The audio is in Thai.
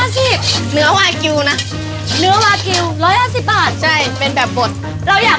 พี่บอกว่าแพงที่สุดจากเท่าอะไร